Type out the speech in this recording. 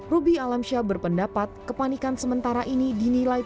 ruby alamsyah berpendapat kepanikan sementara ini dinilai